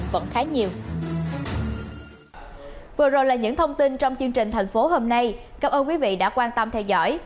vừa rồi là những thông tin trong chương trình thành phố hôm nay cảm ơn quý vị đã quan tâm theo dõi